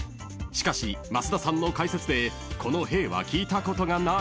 ［しかし増田さんの解説でこのへぇーは聞いたことがない］